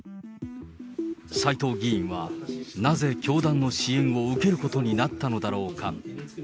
斎藤議員はなぜ教団の支援を受けることになったのだろうか。